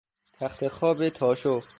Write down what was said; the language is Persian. تختخواب تاشو